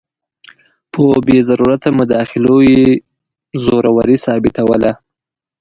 په بې ضرورته مداخلو یې زوروري ثابتوله.